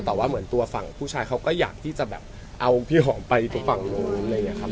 แต่ว่าเหมือนตัวฝั่งผู้ชายเขาก็อยากที่จะแบบเอาพี่หอมไปตรงฝั่งนู้นอะไรอย่างนี้ครับ